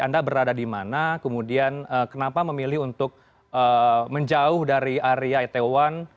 anda berada di mana kemudian kenapa memilih untuk menjauh dari area itaewon